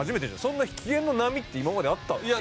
そんな機嫌の波って今まであったっけ？